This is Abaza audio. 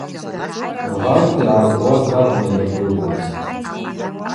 Гъарта йгӏаркӏуаз ракӏвын йдырлыгуаз.